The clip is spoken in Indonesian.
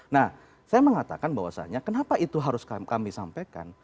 nah saya mengatakan bahwasannya kenapa itu harus kami sampaikan